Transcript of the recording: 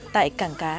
tại cảng cá